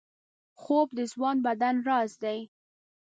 خوب د ځوان بدن راز دی